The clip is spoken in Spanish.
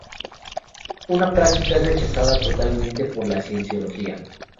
Una práctica que es rechazada totalmente por la Cienciología.